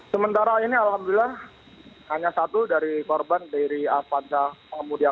sementara ini alhamdulillah hanya satu dari korban dari avansa